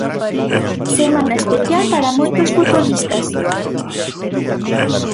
Semana especial para moitos futbolistas.